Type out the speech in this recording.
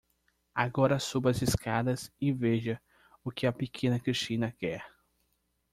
Agora suba as escadas e veja o que a pequena Christina quer.